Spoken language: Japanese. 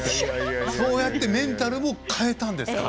そうやってメンタルも変えたんですか。